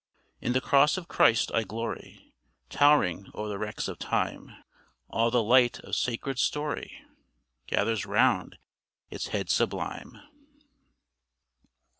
In the Cross of Christ I glory, Tow'ring o'er the wrecks of time; All the light of sacred story Gathers round its head sublime.